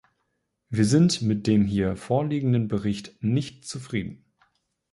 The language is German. Wir sind mit dem hier vorliegenden Bericht nicht zufrieden.